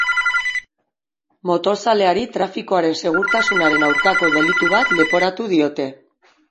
Motorzaleari trafikoaren segurtasunaren aurkako delitu bat leporatu diote.